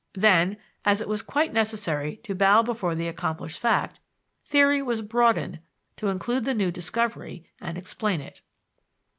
Then, as it was quite necessary to bow before the accomplished fact, theory was broadened to include the new discovery and explain it.